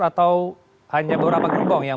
atau hanya beberapa gerbong yang